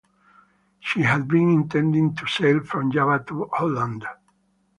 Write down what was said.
She had been intending to sail from Java to Holland.